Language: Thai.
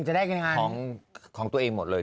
จะได้ของตัวเองหมดเลย